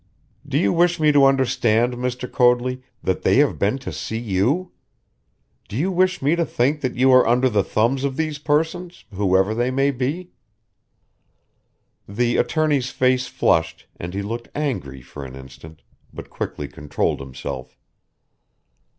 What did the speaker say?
Do you wish me to understand, Mr. Coadley, that they have been to see you? Do you wish me to think that you are under the thumbs of these persons, whoever they may be?" The attorney's face flushed, and he looked angry for an instant, but quickly controlled himself.